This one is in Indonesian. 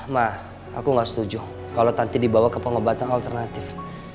ma aku gak setuju kalau tanti dibawa ke pengobatan alternatif